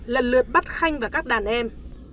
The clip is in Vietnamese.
lần lượt bắt khanh và các đàn em